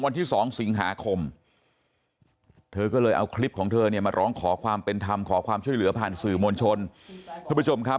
วันที่๒สติงหาคมเธอก็เลยเอาคลิปของเธอเนี่ยมาร้องขอความเป็นธรรม